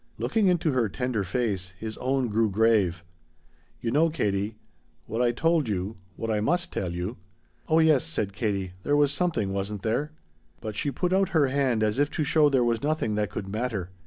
Looking into her tender face, his own grew grave. "You know, Katie what I told you what I must tell you " "Oh yes," said Katie, "there was something, wasn't there?" But she put out her hand as if to show there was nothing that could matter.